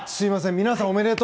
皆さんおめでとう。